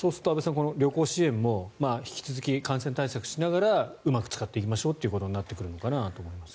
この旅行支援も引き続き感染対策しながらうまく使っていきましょうということになってくると思います。